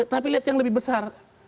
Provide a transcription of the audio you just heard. tapi lihat yang lebih besar